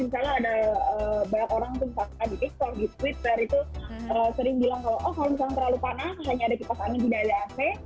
misalnya ada banyak orang itu di tiktok di twitter itu sering bilang kalau misalnya terlalu panas hanya ada kipas angin tidak ada ac